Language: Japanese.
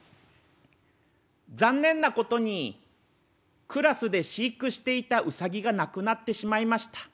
「残念なことにクラスで飼育していたウサギが亡くなってしまいました。